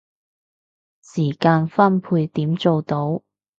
時間分配點做到